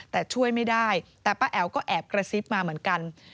แต่ช่วยไม่ได้แต่ป้าแอ๋วก็แอบกระซิบมาเหมือนกัน